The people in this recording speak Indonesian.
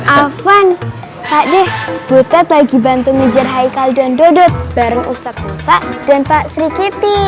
afan pade butet lagi bantu ngejar haikal dan dodot bareng ustadz usa dan pak serikiti